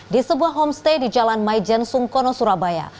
di sebuah homestay di jalan maijen sungkono surabaya